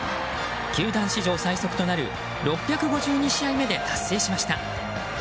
球団史上最速となる６５２試合目で達成しました。